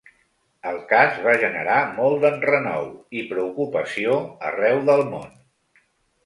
El cas va generar molt d’enrenou i preocupació arreu del món.